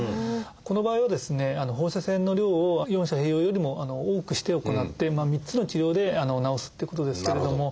この場合はですね放射線の量を四者併用よりも多くして行って３つの治療で治すっていうことですけれども。